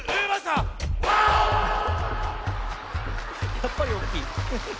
やっぱりおおきい。